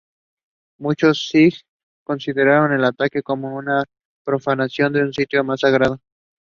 Most of these reprints meanwhile are out of print again.